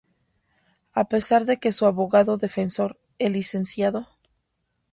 A pesar de que su abogado defensor, el Lic.